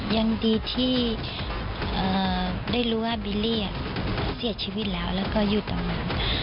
ยังดีที่ได้รู้ว่าบิลลี่เสียชีวิตแล้วแล้วก็อยู่ตรงนั้น